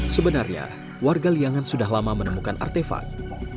sebenarnya warga liangan sudah lama menemukan artefak